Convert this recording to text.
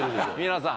皆さん